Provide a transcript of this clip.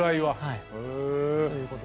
はい。